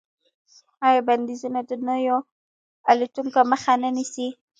آیا بندیزونه د نویو الوتکو مخه نه نیسي؟